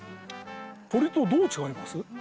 鳥とどう違います？